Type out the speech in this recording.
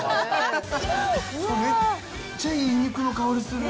めっちゃいい肉の香りする。